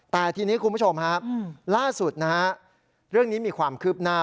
แต่ทีนี้คุณผู้ชมฮะล่าสุดนะฮะเรื่องนี้มีความคืบหน้า